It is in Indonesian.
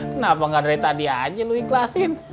kenapa gak dari tadi aja lo ikhlasin